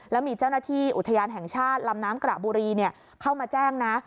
แล้วมีเจ้าหน้าที่อุทยานแห่งชาติลำน้ำกระบุรีเข้ามาแจ้งนะ